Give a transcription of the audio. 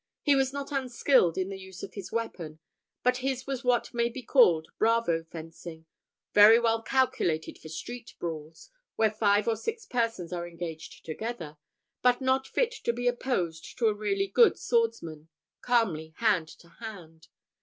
He was not unskilful in the use of his weapon, but his was what may be called bravo fencing, very well calculated for street brawls, where five or six persons are engaged together, but not fit to be opposed to a really good swordsman, calmly hand to hand.